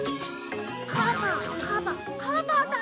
カバカバカバだ！